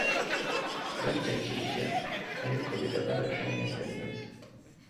batakirya! Ariko birababaje neza neza